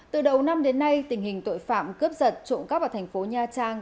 từ đầu năm đến nay tình hình tội phạm cướp giật trộn cắp vào thành phố nha trang